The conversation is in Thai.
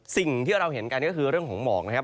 สิ่งที่เราเห็นกันก็คือเรื่องของหมอกนะครับ